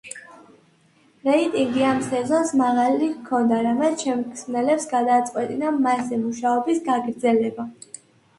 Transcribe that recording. რეიტინგი ამ სეზონს მაღალი ჰქონდა, რამაც შემქმნელებს გადააწყვეტინა მასზე მუშაობის გაგრძელება.